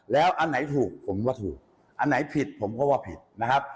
แล้วอันไหนถูกผมว่าถูกอันไหนผิดผมก็ว่าผิดนะครับ